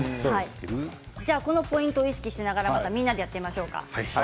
このポイントを意識してみんなでやってみましょうか。